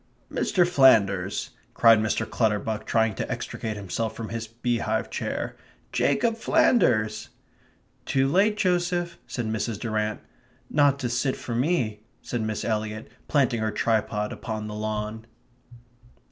"Mr. Flanders!" cried Mr. Clutterbuck, trying to extricate himself from his beehive chair. "Jacob Flanders!" "Too late, Joseph," said Mrs. Durrant. "Not to sit for me," said Miss Eliot, planting her tripod upon the lawn.